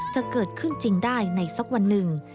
จะเกิดขึ้นจริงได้ในสักวันหนึ่ง